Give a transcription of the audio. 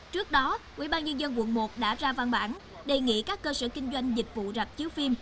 trước đó ubnd tp hcm đã ra văn bản đề nghị các cơ sở kinh doanh dịch vụ rạp chiếu phim